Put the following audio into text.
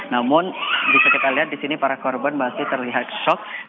namun bisa kita lihat di sini para korban masih terlihat shock